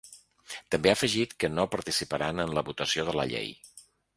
També ha afegit que no participaran en la votació de la llei.